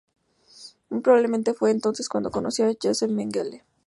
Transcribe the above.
Muy probablemente fue entonces cuando conoció a Josef Mengele.